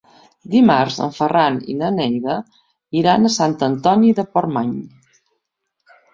Dimarts en Ferran i na Neida iran a Sant Antoni de Portmany.